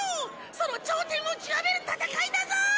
その頂点を極める戦いだぞ！